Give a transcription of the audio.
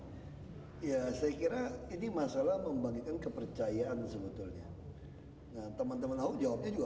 saya kira ini masalah membagikan kepercayaan sebetulnya